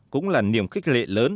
cũng là niềm khích lệ lớn